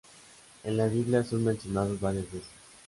En la Biblia son mencionados varias veces.